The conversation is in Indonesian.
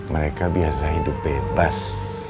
mereka biasa hidup bebas